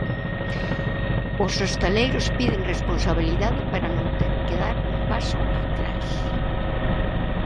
Os hostaleiros piden responsabilidade para non ter que dar un paso atrás.